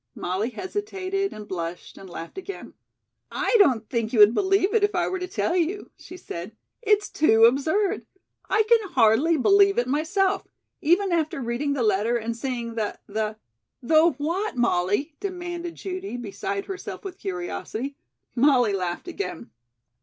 Molly hesitated and blushed, and laughed again. "I don't think you would believe it if I were to tell you," she said. "It's too absurd. I can hardly believe it myself, even after reading the letter and seeing the the " "The what, Molly?" demanded Judy, beside herself with curiosity. Molly laughed again.